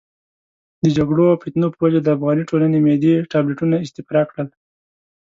د جګړو او فتنو په وجه د افغاني ټولنې معدې ټابلیتونه استفراق کړل.